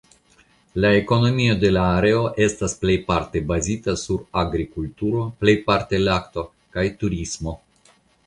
La ekonomio de la areo estas plejparte bazita sur agrikulturo (plejparte lakto) kaj turismo.